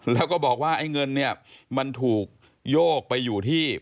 แล้วก็บอกว่าไอ้เงินเนี่ยมันถูกโยกไปอยู่ที่